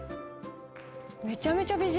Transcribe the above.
めちゃめちゃ美人。